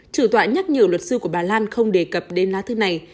chủ tọa nhắc nhở luật sư của bà lan không đề cập đến lá thư này